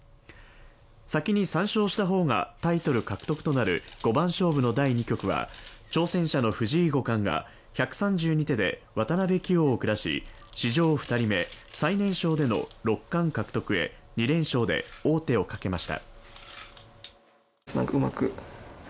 先に３勝した方がタイトル獲得となる五番勝負の第２局は挑戦者の藤井五冠が１３２手で渡辺棋王を下し、史上２人目、最年少への六冠獲得へ２連勝で王手をかけました。